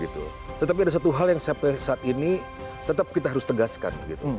tetapi ada satu hal yang sampai saat ini tetap kita harus tegaskan